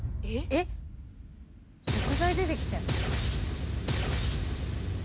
えっ食材出てきたよ。